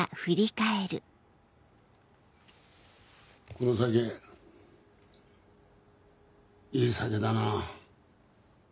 この酒いい酒だな。